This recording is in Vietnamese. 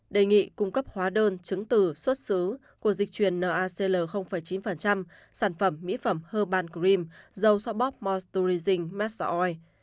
đề nghị cung cấp hóa đơn chứng từ xuất xứ của dịch truyền nacl chín sản phẩm mỹ phẩm herbal cream dầu xoa bóp moisturizing massa oil